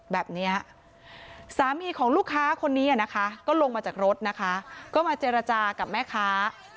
แบบนี้สามีของลูกค้าคนนี้นะคะก็ลงมาจากรถนะคะก็มาเจรจากับแม่ค้า